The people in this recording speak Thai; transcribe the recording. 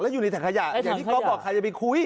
อยู่ในถังขยะอย่างที่ก๊อฟบอกใครจะไปคุย